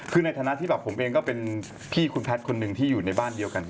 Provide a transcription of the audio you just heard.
คือในฐานะที่แบบผมเองก็เป็นพี่คุณแพทย์คนหนึ่งที่อยู่ในบ้านเดียวกัน